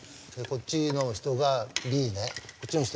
こっちの人Ａね。